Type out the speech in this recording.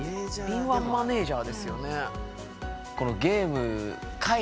敏腕マネージャーですよね。